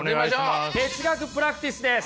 哲学プラクティスです。